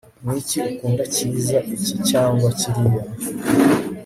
Niki ukunda cyiza iki cyangwa kiriya